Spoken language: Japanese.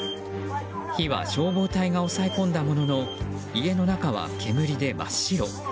火は消防隊が抑え込んだものの家の中は煙で真っ白。